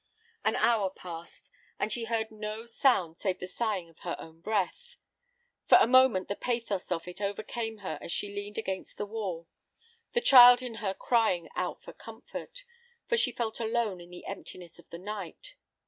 An hour passed, and she heard no sound save the sighing of her own breath. For a moment the pathos of it overcame her as she leaned against the wall, the child in her crying out for comfort, for she felt alone in the emptiness of the night.